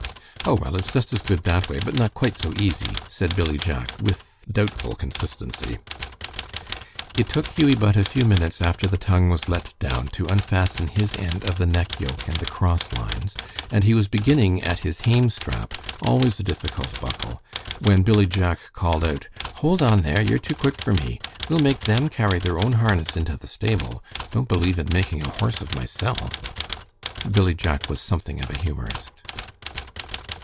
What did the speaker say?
"Oh, well, it's just as good that way, but not quite so easy," said Billy Jack, with doubtful consistency. It took Hughie but a few minutes after the tongue was let down to unfasten his end of the neck yoke and the cross lines, and he was beginning at his hame strap, always a difficult buckle, when Billy Jack called out, "Hold on there! You're too quick for me. We'll make them carry their own harness into the stable. Don't believe in making a horse of myself." Billy Jack was something of a humorist.